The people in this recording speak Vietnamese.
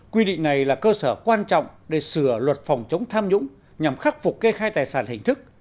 quy định này là cơ sở quan trọng để sửa luật phòng chống tham nhũng nhằm khắc phục kê khai tài sản hình thức